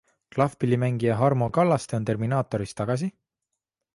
Klahvpillimängija Harmo Kallaste on Terminaatoris tagasi?